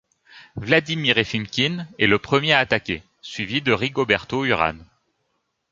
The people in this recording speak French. Vladimir Efimkin est le premier à attaquer, suivi de Rigoberto Urán.